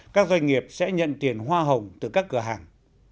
các doanh nghiệp sẽ nhận tiền hoa hồng từ các cửa hàng